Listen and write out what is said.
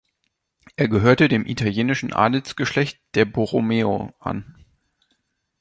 Er gehörte dem italienischen Adelsgeschlecht der Borromeo an.